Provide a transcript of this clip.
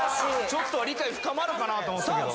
ちょっとは理解深まるかなと思ったけど。